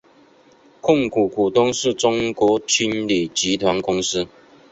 控股股东是中国青旅集团公司。